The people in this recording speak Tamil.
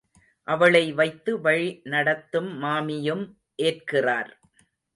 அவளை வைத்து வழி நடத்தும் மாமியும் ஏற்கிறார்.